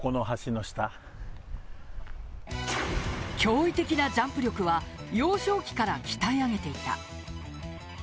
驚異的なジャンプ力は幼少期から鍛え上げていた。